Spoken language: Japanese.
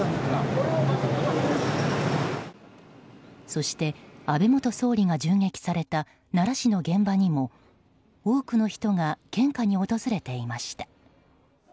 そして、安倍元総理が銃撃された奈良市の現場にも多くの人が献花に訪れていました。